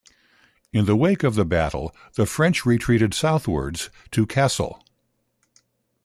In the wake of the battle the French retreated southwards to Kassel.